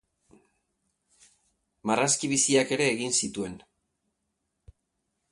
Marrazki biziak ere egin zituen.